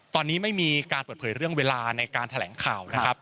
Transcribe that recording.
ตอนนี้ไม่มีการเปิดเผยเรื่องเวลาในการแถลงข่าวนะครับ